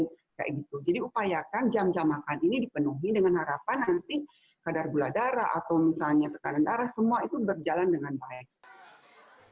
jadi upayakan jam jam makan ini dipenuhi dengan harapan nanti kadar gula darah atau misalnya tekanan darah semua itu berjalan dengan baik